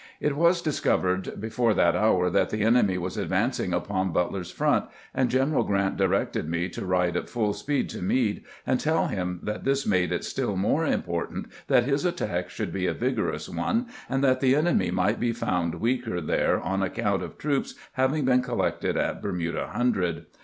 It was discovered before that hour that the enemy was advancing upon Butler's front, and General Grant directed me to ride at full speed to Meade and tell him that this made it still more impor tant that his attack should be a vigorous one, and that the enemy might be found weaker there on account of troops having been collected at Bermuda Hundred.